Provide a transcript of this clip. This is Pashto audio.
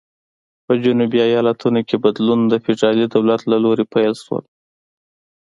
په جنوبي ایالتونو کې بدلون د فدرالي دولت له لوري پیل شول.